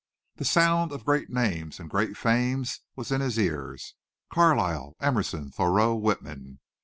The sound of great names and great fames was in his ears, Carlyle, Emerson, Thoreau, Whitman.